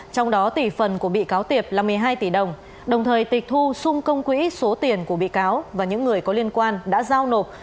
trong đó tỷ phần của bị cáo tiệp là một mươi hai tỷ đồng đồng thời tịch thu xung công quỹ số tiền của bị cáo và những người có liên quan đã giao nộp